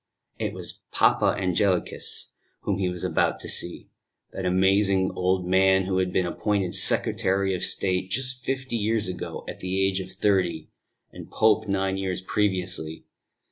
It was Papa Angelicus whom he was about to see; that amazing old man who had been appointed Secretary of State just fifty years ago, at the age of thirty, and Pope nine years previously.